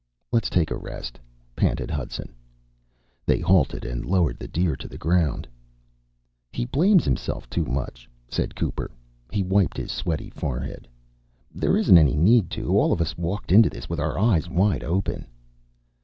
"Let's take a rest," panted Hudson. They halted and lowered the deer to the ground. "He blames himself too much," said Cooper. He wiped his sweaty forehead. "There isn't any need to. All of us walked into this with our eyes wide open."